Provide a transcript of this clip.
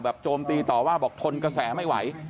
โจมตีต่อว่าบอกทนกระแสไม่ไหว